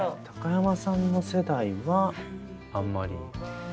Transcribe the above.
高山さんの世代はあんまり。